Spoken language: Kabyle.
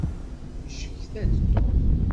Yecetka-d Tom.